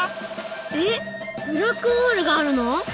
えっブラックホールがあるの？